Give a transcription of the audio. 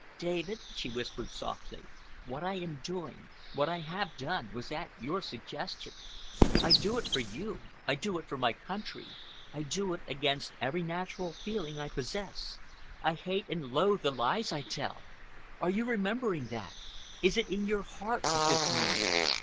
"David," she whispered softly, "what I am doing—what I have done—was at your suggestion. I do it for you, I do it for my country, I do it against every natural feeling I possess. I hate and loathe the lies I tell. Are you remembering that? Is it in your heart at this moment?"